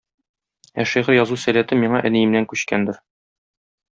Ә шигырь язу сәләте миңа әниемнән күчкәндер.